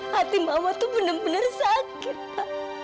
hati mama tuh bener bener sakit pak